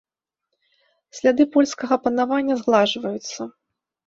Сляды польскага панавання згладжваюцца.